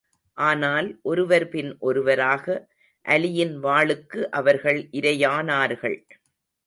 ஆனால், ஒருவர் பின் ஒருவராக, அலியின் வாளுக்கு அவர்கள் இரையானார்கள்.